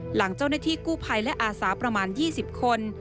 หลังเจ้าหน้าที่กู้ภัยและอาสาประมาณ๒๐คน